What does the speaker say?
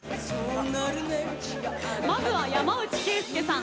まずは山内惠介さん。